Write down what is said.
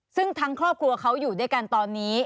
ซึ่งทั้งครอบครัวเขาอยู่ด้วยกันตอนนี้